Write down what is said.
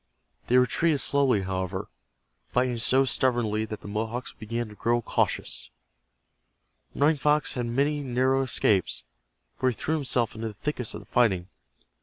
They retreated slowly, however, fighting so stubbornly that the Mohawks began to grow cautious. Running Fox had many narrow escapes, for he threw himself into the thickest of the fighting.